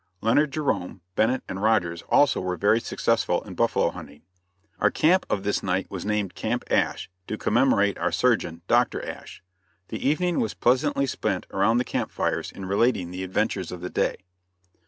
Leonard Jerome, Bennett and Rogers also were very successful in buffalo hunting. Our camp of this night was named Camp Asch to commemorate our surgeon, Dr. Asch. The evening was pleasantly spent around the camp fires in relating the adventures of the day.